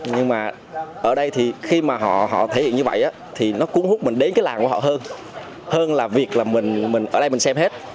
nhưng mà ở đây thì khi mà họ họ thể hiện như vậy thì nó cuốn hút mình đến cái làng của họ hơn hơn là việc là mình ở đây mình xem hết